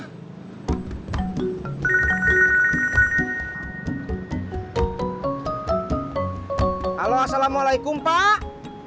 halo assalamualaikum pak